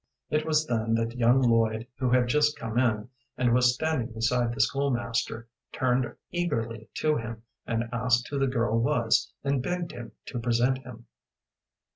It was then that young Lloyd, who had just come in, and was standing beside the school master, turned eagerly to him, and asked who the girl was, and begged him to present him.